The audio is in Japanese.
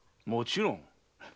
もちろん。